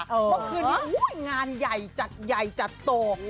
เมื่อคืนนี้งานใหญ่จัดใหญ่จัดโต